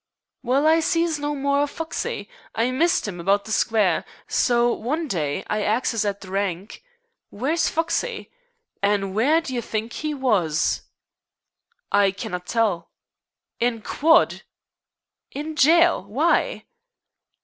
"Well, I sees no more of Foxey. I missed 'im about the Square, so one d'y I axes at the rank, 'Where's Foxey?' An' where d'ye think 'e was?" "I can not tell." "In quod." "In jail. Why?"